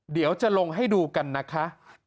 เดี๋ยวจะลงให้ดูกันนะคะ